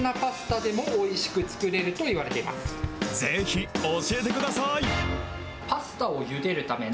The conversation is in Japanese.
ぜひ教えてください。